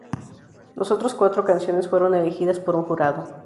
Los otras cuatro canciones fueron elegidas por un jurado.